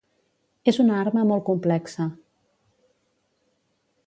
És una arma molt complexa.